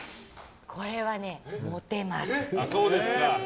これはね、モテます。